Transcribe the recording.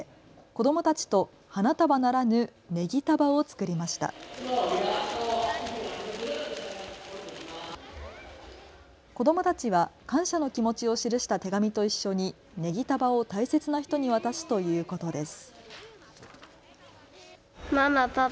子どもたちは感謝の気持ちを記した手紙と一緒にねぎ束を大切な人に渡すということです。